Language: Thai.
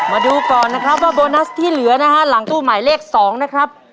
มาดูก่อนนะครับว่าโบนัสที่เหลือนะฮะหลังตู้หมายเลข๒นะครับ